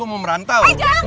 gue mau merantau